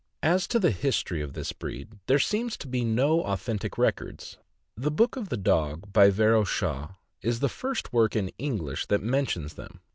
As to the history of this breed, there seems to be no authentic records. "The Book of the Dog," by Yero Shaw, is the first work in English that mentions them.